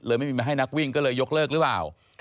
ไม่มีมาให้นักวิ่งก็เลยยกเลิกหรือเปล่า